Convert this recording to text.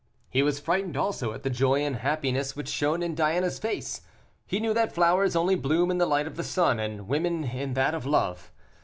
He was frightened also at the joy and happiness which shone in Diana's face. He knew that flowers only bloom in the light of the sun, and women in that of love.